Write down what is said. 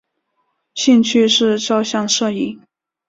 兴趣是照相摄影。